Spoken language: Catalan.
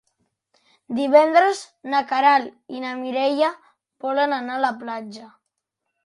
Divendres na Queralt i na Mireia volen anar a la platja.